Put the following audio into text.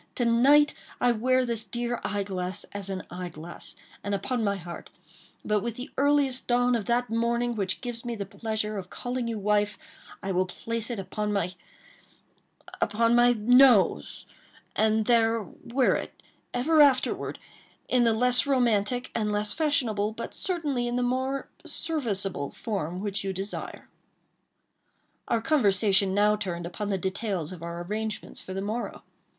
To night I wear this dear eye glass, as an eye glass, and upon my heart; but with the earliest dawn of that morning which gives me the pleasure of calling you wife, I will place it upon my—upon my nose,—and there wear it ever afterward, in the less romantic, and less fashionable, but certainly in the more serviceable, form which you desire." Our conversation now turned upon the details of our arrangements for the morrow.